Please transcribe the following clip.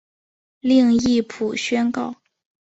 另译朴宣浩。